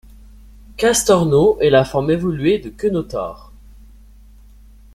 Castorno est la forme évoluée de Keunotor.